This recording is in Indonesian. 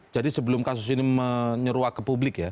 jadi sebelum kasus ini menyeruak ke publik ya